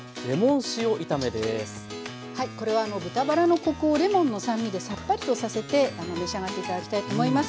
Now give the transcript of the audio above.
これは豚バラのコクをレモンの酸味でさっぱりとさせて召し上がって頂きたいと思います。